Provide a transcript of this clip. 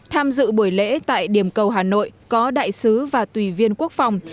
tham dự buổi lễ tại điểm cầu hà nội có đại sứ và tùy viên quốc phòng